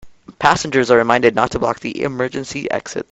Passengers are reminded not to block the emergency exits.